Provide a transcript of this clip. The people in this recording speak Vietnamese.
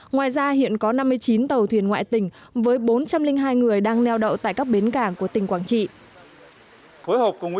ngoài ra hiện có năm mươi chín tàu thuyền ngoại tỉnh với bốn trăm linh hai người đang neo đậu tại các bến cảng của tỉnh quảng trị